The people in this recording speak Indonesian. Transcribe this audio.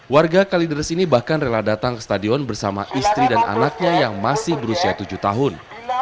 warga kalideres ini bahkan rela datang ke stadion bersama istri dan anaknya yang masih berusia tujuh tahun